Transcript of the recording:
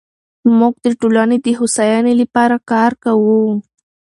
موږ د ټولنې د هوساینې لپاره کار کوو.